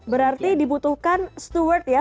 berarti dibutuhkan steward ya